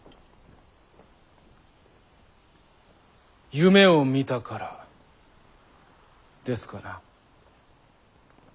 夢を見たからですかな。